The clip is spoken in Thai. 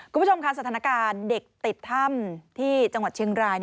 คุณผู้ชมค่ะสถานการณ์เด็กติดถ้ำที่จังหวัดเชียงราย